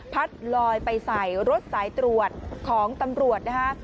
พัดลอยไปใส่รถสายตรวจของตำรวจนะคะ